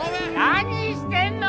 何してんの！